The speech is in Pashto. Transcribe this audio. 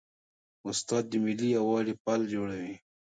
استاد د ملي یووالي پل جوړوي.